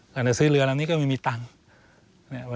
แต่ซื้อเรือละนี้ก็ไม่มีตังค์